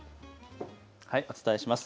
お伝えします。